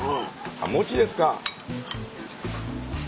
あっ餅ですか？